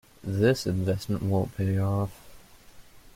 This investment won't pay off.